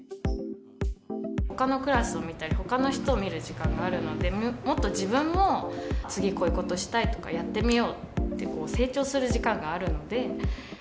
ほかのクラスを見たり、ほかの人を見る時間があるので、もっと自分も、次こういうことをしたいとか、やってみようって、こう、成長する時間があるので。